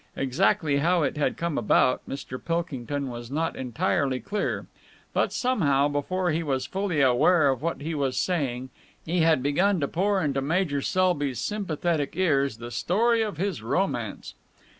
Exactly how it had come about, Mr. Pilkington was not entirely clear, but, somehow, before he was fully aware of what he was saying, he had begun to pour into Major Selby's sympathetic ears the story of his romance.